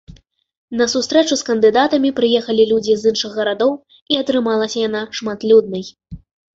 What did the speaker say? На сустрэчу з кандыдатамі прыехалі людзі з іншых гарадоў, і атрымалася яна шматлюднай.